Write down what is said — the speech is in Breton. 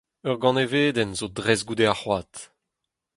Ur ganevedenn zo dres goude ar c'hoad.